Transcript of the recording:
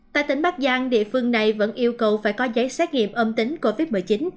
tại tỉnh bắc giang địa phương này vẫn yêu cầu phải có giấy xét nghiệm âm tính covid một mươi chín